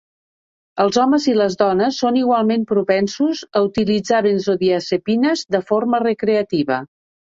Els homes i les dones són igualment propensos a utilitzar benzodiazepines de forma recreativa.